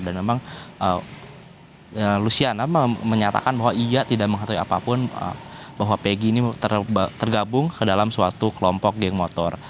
dan memang lusiana menyatakan bahwa iya tidak mengatakan apapun bahwa pegi ini tergabung ke dalam suatu kelompok geng motor